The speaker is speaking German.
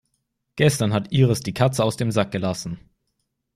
Gestern hat Iris die Katze aus dem Sack gelassen.